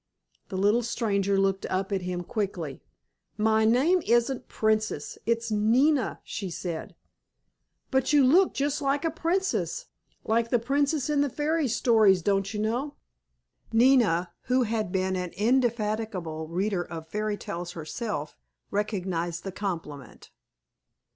The little stranger looked up at him quickly. "My name isn't 'Princess,' it's Nina," she said. "But you look just like a princess—like the princess in the fairy stories, don't you know?" Nina, who had been an indefatigable reader of fairy tales herself, recognized the compliment.